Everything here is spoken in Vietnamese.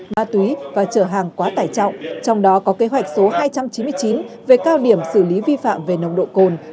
ma túy và trở hàng quá tải trọng trong đó có kế hoạch số hai trăm chín mươi chín về cao điểm xử lý vi phạm về nồng độ cồn